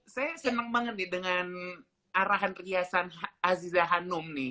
saya senang banget nih dengan arahan riasan aziza hanum nih